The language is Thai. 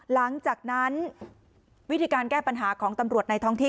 หลังจากนั้นวิธีการแก้ปัญหาของตำรวจในท้องที่